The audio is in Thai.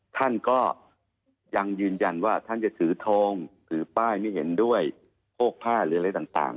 ท่านก็ยังยืนยันว่าท่านจะถือทองถือป้ายไม่เห็นด้วยโพกผ้าหรืออะไรต่าง